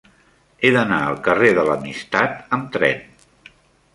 He d'anar al carrer de l'Amistat amb tren.